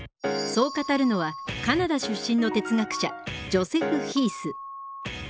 そう語るのはカナダ出身の哲学者ジョセフ・ヒース。